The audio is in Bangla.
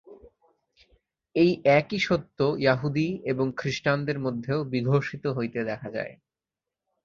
এই একই সত্য য়াহুদী এবং খ্রীষ্টানদের মধ্যেও বিঘোষিত হইতে দেখা যায়।